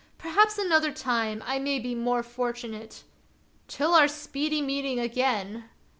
Perhaps another time I may be more fortunate. Till our speedy meeting again!